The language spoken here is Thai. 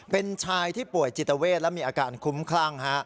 เป็นชายที่ป่วยจิตเวทและมีอาการคุ้มคลั่ง